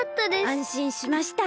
あんしんしました。